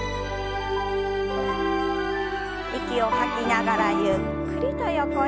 息を吐きながらゆっくりと横へ。